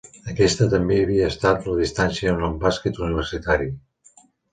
Aquesta també havia estat la distància en el bàsquet universitari.